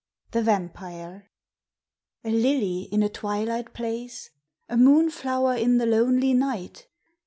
THE VAMPIRE A lily in a twilight place? A moonflow'r in the lonely night?